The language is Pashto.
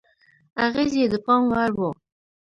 اغېز یې د پام وړ و.